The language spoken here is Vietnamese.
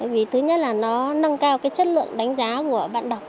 vì thứ nhất là nó nâng cao cái chất lượng đánh giá của bạn đọc